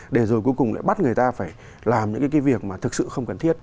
để rồi cuối cùng lại bắt người ta phải làm những cái việc mà thực sự không cần thiết